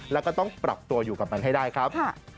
แล้วก็ต้องปรับตัวอยู่กับมันให้ได้ครับ